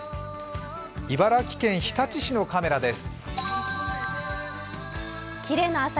茨城県日立市のカメラです。